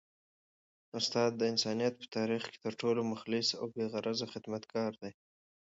استاد د انسانیت په تاریخ کي تر ټولو مخلص او بې غرضه خدمتګار دی.